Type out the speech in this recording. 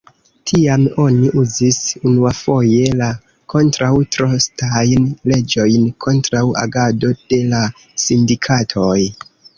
Tiam oni uzis unuafoje la kontraŭ-trostajn leĝojn kontraŭ agado de la sindikatoj.